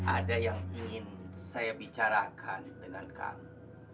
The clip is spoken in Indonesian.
ada yang ingin saya bicarakan dengan kami